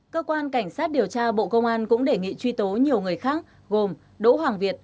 cơ quan cảnh sát điều tra bộ công an cũng đề nghị truy tố nhiều người khác gồm đỗ hoàng việt